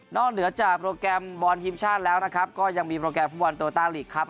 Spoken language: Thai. เหนือจากโปรแกรมบอลทีมชาติแล้วนะครับก็ยังมีโปรแกรมฟุตบอลโตต้าลีกครับ